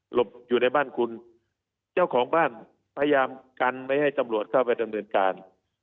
อยู่ในบ้านคุณเจ้าของบ้านพยายามกันไม่ให้ตำรวจเข้าไปดำเนินการ